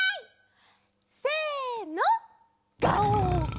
せの。